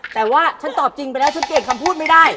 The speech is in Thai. แต่ว่าฉันตอบจริงไปแล้วฉันเปลี่ยนคำพูดไม่ได้